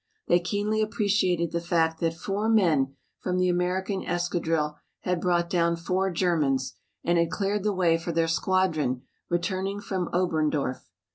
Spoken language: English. They keenly appreciated the fact that four men from the American escadrille had brought down four Germans, and had cleared the way for their squadron returning from Oberndorf.